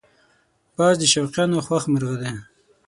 باز د شوقیانو خوښ مرغه دی